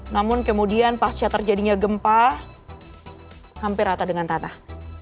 namun kemudian pasca terjadinya gempa hampir rata dengan tanah